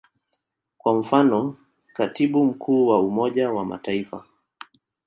Kwa mfano, Katibu Mkuu wa Umoja wa Mataifa.